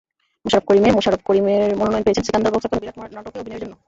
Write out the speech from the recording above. মোশাররফ করিমমোশাররফ করিম মনোনয়ন পেয়েছেন সিকান্দার বক্স এখন বিরাট মডেল নাটকে অভিনয়ের জন্য।